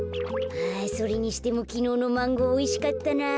あそれにしてもきのうのマンゴーおいしかったなぁ。